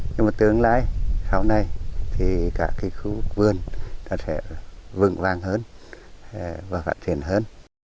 nhưng tương lai sau này thì cả khu vườn sẽ vững vang hơn và phát triển hơn